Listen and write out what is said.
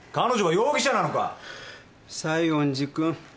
西園寺君。